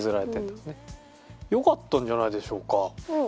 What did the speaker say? よかったんじゃないでしょうか。